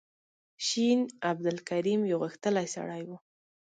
شین عبدالکریم یو غښتلی سړی و.